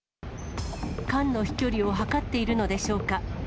缶の飛距離を測っているのでしょうか。